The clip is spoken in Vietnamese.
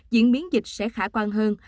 diễn biến dịch sẽ khả quan hơn